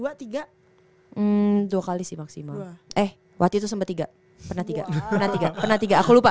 hmm dua kali sih maksimal eh waktu itu sempet tiga pernah tiga pernah tiga aku lupa